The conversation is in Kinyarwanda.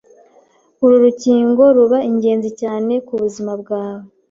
uru rukingo ruba ingenzi cyane ku buzima bwawe